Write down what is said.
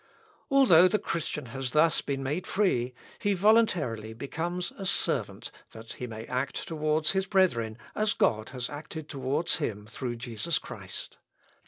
"Although the Christian has thus been made free, he voluntarily becomes a servant that he may act towards his brethren as God has acted towards him through Jesus Christ.